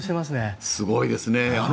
すごいですね。